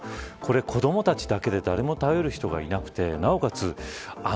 これは子どもたちだけで誰も頼る人がいなくてなおかつ